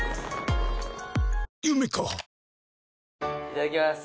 いただきます。